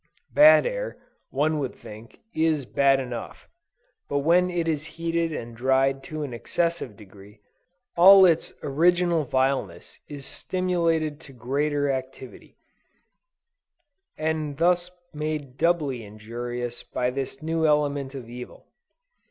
Bad air, one would think, is bad enough: but when it is heated and dried to an excessive degree, all its original vileness is stimulated to greater activity, and thus made doubly injurious by this new element of evil.